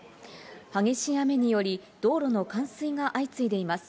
激しい雨により道路の冠水が相次いでいます。